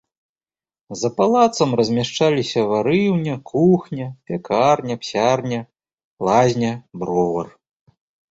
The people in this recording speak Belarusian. За палацам размяшчаліся варыўня, кухня, пякарня, псярня, лазня, бровар.